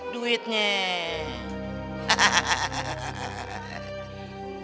duitnya tuh dia punya lagi